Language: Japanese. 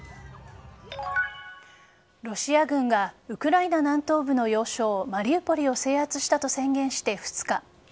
ロシア軍がウクライナ南東部の要衝マリウポリを制圧したと宣言して２日。